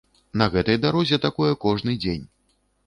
На гэтай дарозе такое кожны дзень.